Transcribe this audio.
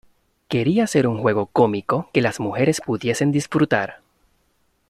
Quería hacer un juego 'cómico' que las mujeres pudiesen disfrutar"".